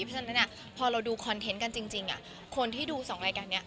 เพราะฉะนั้นพอเราดูคอนเทนต์กันจริงคนที่ดู๒รายการนี้